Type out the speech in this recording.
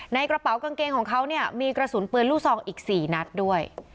ในกระเป๋ากางเกงของเขาเนี่ยมีกระสุนปืนลูกซองอีก๔นัดด้วย